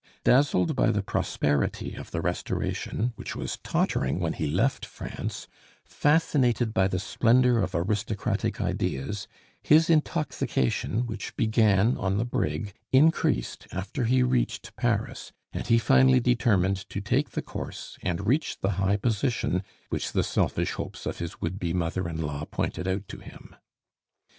Dazzled by the prosperity of the Restoration, which was tottering when he left France, fascinated by the splendor of aristocratic ideas, his intoxication, which began on the brig, increased after he reached Paris, and he finally determined to take the course and reach the high position which the selfish hopes of his would be mother in law pointed out to him.